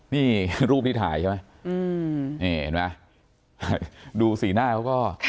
นี่รูปที่ถ่ายใช่ไหมนี่เห็นไหมดูสีหน้าเขาก็